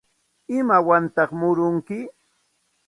¿Imawantaq murunki?